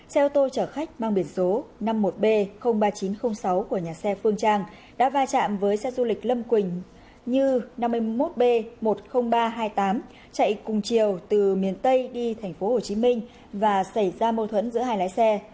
xe ô tô chở khách mang biển số năm mươi một b ba nghìn chín trăm linh sáu của nhà xe phương trang đã va chạm với xe du lịch lâm quỳnh như năm mươi một b một mươi nghìn ba trăm hai mươi tám chạy cùng chiều từ miền tây đi tp hcm và xảy ra mâu thuẫn giữa hai lái xe